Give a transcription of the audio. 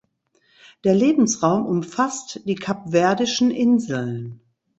Der Lebensraum umfasst die kapverdischen Inseln.